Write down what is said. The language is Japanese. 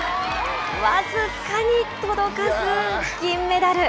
僅かに届かず銀メダル。